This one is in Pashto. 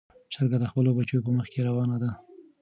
چرګه د خپلو بچیو په مخ کې روانه ده.